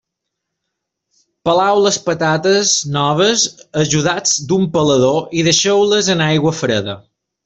Peleu les patates noves ajudats d'un pelador i deixeu-les en aigua freda.